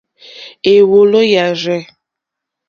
Èwòló yâ rzɛ̂.